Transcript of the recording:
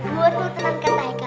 betul teman kata eka